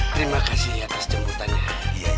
terima kasih atas jemputannya